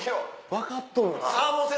分かっとるわ。